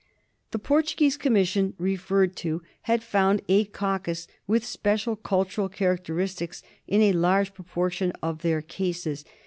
The Portuguese commission referred to had found a coccus with special cultural characteristics in a large proportion of their cases.